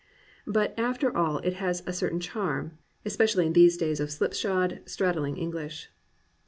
But after all it has a certain charm, especially in these days of slipshod, straddling English.